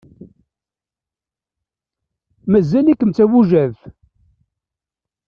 Mazal-ikem d tabujadt.